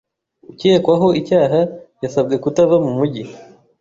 Ukekwaho icyaha yasabwe kutava mu mujyi.